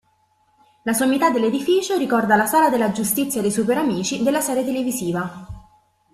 La sommità dell'edificio ricorda la Sala della Giustizia dei Superamici della serie televisiva.